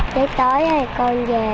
tới tối con về